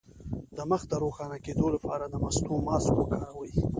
د مخ د روښانه کیدو لپاره د مستو ماسک وکاروئ